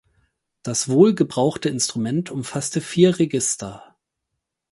Das wohl gebrauchte Instrument umfasste vier Register.